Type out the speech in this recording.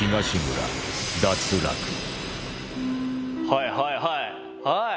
はいはいはいはい！